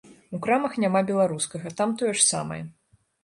У крамах няма беларускага, там тое ж самае.